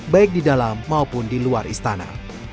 baik di dalam maupun di luar istana